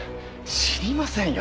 知りませんよ